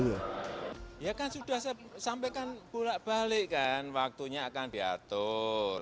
ya kan sudah saya sampaikan pulak balik kan waktunya akan diatur